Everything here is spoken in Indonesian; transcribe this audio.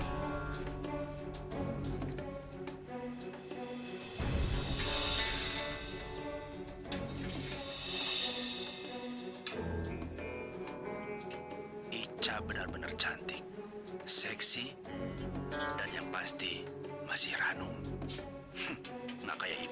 aku akan mendapatkan kegerisan kamu